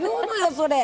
それ。